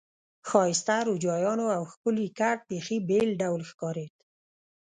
ښایسته روجایانو او ښکلي کټ بیخي بېل ډول ښکارېد.